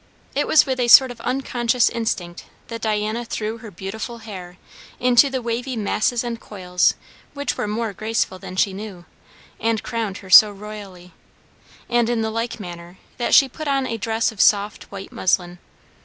It was with a sort of unconscious instinct that Diana threw her beautiful hair into the wavy masses and coils which were more graceful than she knew and crowned her so royally; and in the like manner that she put on a dress of soft white muslin.